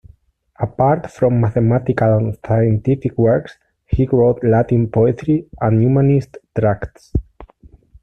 Apart from mathematical and scientific works, he wrote Latin poetry and humanist tracts.